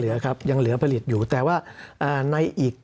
สำหรับกำลังการผลิตหน้ากากอนามัย